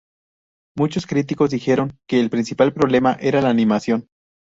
Muchos críticos dijeron que el principal problema era la animación.